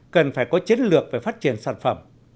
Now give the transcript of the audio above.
cần phải có chiến lược về phát triển sản phẩm